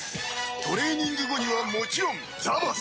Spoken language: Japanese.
トレーニング後にはもちろんザバス。